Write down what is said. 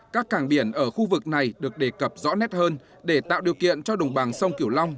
các càng biển ở khu vực này được đề cập rõ nét hơn để tạo điều kiện cho đồng bằng sông kiểu long